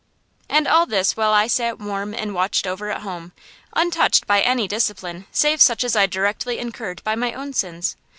And all this while I sat warm and watched over at home, untouched by any discipline save such as I directly incurred by my own sins.